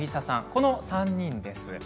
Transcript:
この３人です。